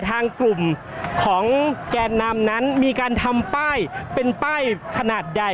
ทางกลุ่มของแกนนำนั้นมีการทำป้ายเป็นป้ายขนาดใหญ่